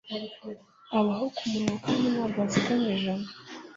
Abaho ku munwa kandi ntabwo azigama ijana.